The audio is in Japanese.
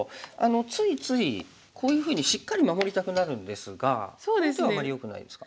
ついついこういうふうにしっかり守りたくなるんですがこの手はあんまりよくないですか？